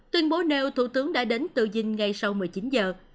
tuyên bố nêu thủ tướng đã đến tự dinh ngay sau một mươi chín giờ